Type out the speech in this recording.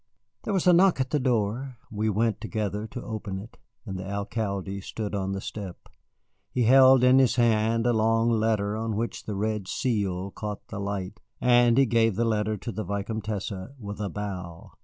There was a knock at the door. We went together to open it, and the Alcalde stood on the step. He held in his hand a long letter on which the red seal caught the light, and he gave the letter to the Vicomtesse, with a bow.